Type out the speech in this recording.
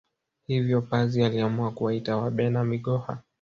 Hivyo pazi aliamua kuwaita Wabena Migoha